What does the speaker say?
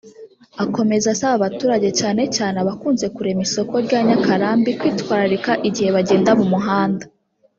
Akomeza asaba abaturage cyane cyane abakunze kurema isoko rya Nyakarambi kwitwararika igihe bagenda mu muhanda